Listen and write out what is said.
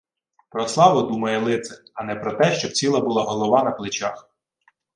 Про славу думає лицар, а не про те, щоб ціла була голова на плечах.